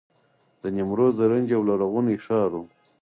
د نیمروز زرنج یو لرغونی ښار و